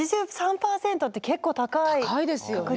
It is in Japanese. ８３％って結構高い確率ですよね。